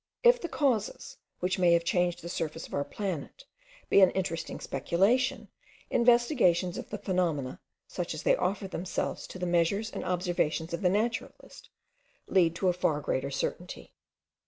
If the causes, which may have changed the surface of our planet, be an interesting speculation, investigations of the phenomena, such as they offer themselves to the measures and observations of the naturalist, lead to far greater certainty.